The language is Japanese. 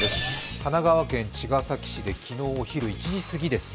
神奈川県茅ヶ崎市で昨日お昼過ぎですね。